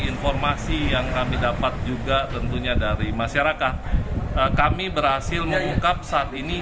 informasi yang kami dapat juga tentunya dari masyarakat kami berhasil mengungkap saat ini